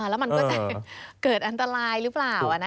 แล้วมันก็จะเกิดอันตรายหรือเปล่า